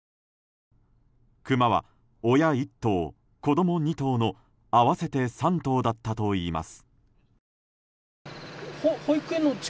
クマは親１頭、子供２頭の合わせて３頭だったといいます。